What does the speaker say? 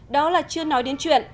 đó là chưa nói đến chuyện